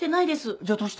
じゃあどうして？